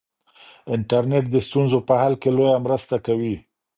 انټرنیټ د ستونزو په حل کې لویه مرسته کوي.